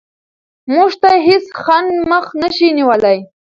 موږ ته هېڅ خنډ مخه نشي نیولی.